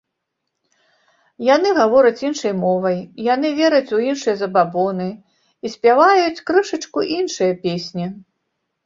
Яны гавораць іншай мовай, яны вераць у іншыя забабоны і спяваюць крышачку іншыя песні.